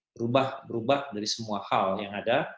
berubah berubah dari semua hal yang ada